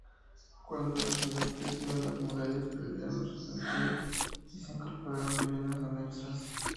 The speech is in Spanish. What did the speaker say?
Cuando la ciudad creció, las murallas perdieron su sentido y se incorporaron viviendas anexas.